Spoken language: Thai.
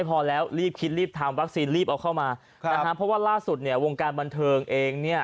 เพราะว่าร่าสุดวงการบรรเทิงเอง